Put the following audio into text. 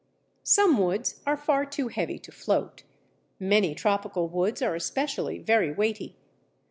Some woods are far too heavy to float: many tropical woods are especially very weighty.